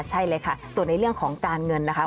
ใช่เลยค่ะส่วนในเรื่องของการเงินนะคะ